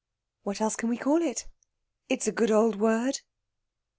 "What else can we call it? It is a good old word."